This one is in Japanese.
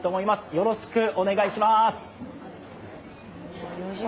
よろしくお願いします！